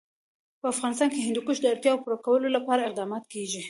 په افغانستان کې د هندوکش د اړتیاوو پوره کولو لپاره اقدامات کېږي.